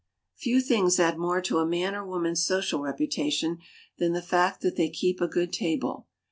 Few things add more to a man or woman's social reputation than the fact that they keep a good table.